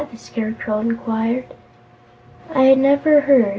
the Scarecrow inquired. "I never heard.